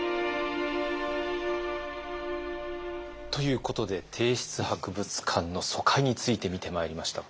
ということで帝室博物館の疎開について見てまいりました。